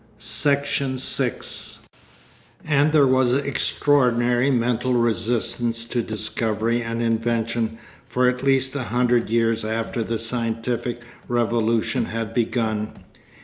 Section 6 And there was an extraordinary mental resistance to discovery and invention for at least a hundred years after the scientific revolution had begun.